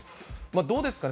どうですかね？